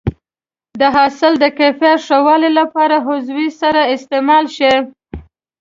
د حاصل د کیفیت ښه والي لپاره عضوي سرې استعمال شي.